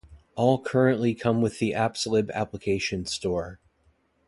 All currently come with the AppsLib application store.